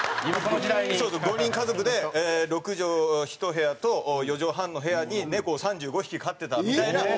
５人家族で６畳１部屋と４畳半の部屋に猫を３５匹飼ってたみたいな。